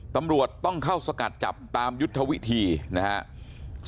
ตำรวจต้องเข้าสกัดจับตามยุทธวิธีนะครับ